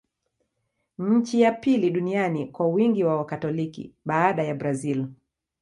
Ni nchi ya pili duniani kwa wingi wa Wakatoliki, baada ya Brazil.